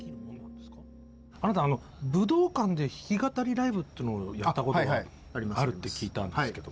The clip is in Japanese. あなた武道館で弾き語りライブをやったことがあるって聞いたんですけど。